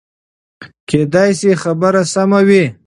کېدای شي خبره سمه وي.